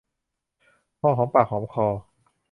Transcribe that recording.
พอหอมปากหอมคอ